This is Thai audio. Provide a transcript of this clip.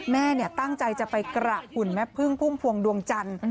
แม่ตั้งใจจะไปกราบหุ่นแม่พึ่งพุ่มพวงดวงจันทร์